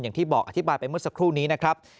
อย่างที่บอกอธิบายไปเมื่อสักครู่นี้นะครับ